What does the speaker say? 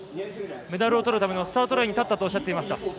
メダルをとるためのスタートラインに立ったとおっしゃっていました。